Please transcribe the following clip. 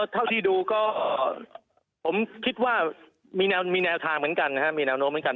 เท่าที่ดูก็ผมคิดว่ามีแนวทางเหมือนกันนะครับมีแนวโน้มเหมือนกัน